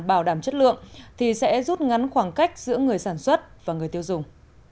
bảo đảm chất lượng thì sẽ rút ngắn khoảng cách giữa người sản xuất và người tiêu dùng